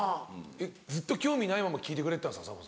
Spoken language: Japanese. えっずっと興味ないまま聞いてくれてたんですか？